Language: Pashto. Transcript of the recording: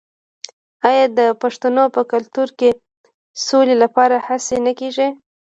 آیا د پښتنو په کلتور کې د سولې لپاره هڅې نه کیږي؟